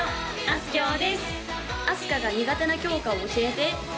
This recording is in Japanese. あすかが苦手な教科を教えて？